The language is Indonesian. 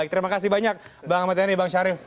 terima kasih banyak bang ahmad yani bang syarif